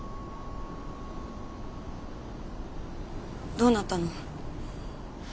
どうなったの？